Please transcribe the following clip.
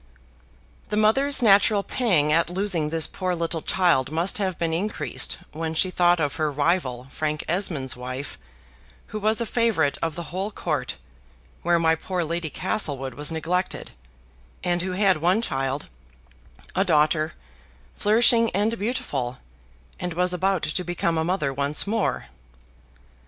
The mother's natural pang at losing this poor little child must have been increased when she thought of her rival Frank Esmond's wife, who was a favorite of the whole Court, where my poor Lady Castlewood was neglected, and who had one child, a daughter, flourishing and beautiful, and was about to become a mother once more.